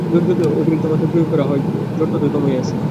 জোর যতই অতিরিক্তমাত্রায় প্রয়োগ করা যায় জোর ততই কমিয়া আসিতে থাকে।